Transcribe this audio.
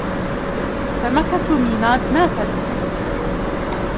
سمكة ميناد ماتت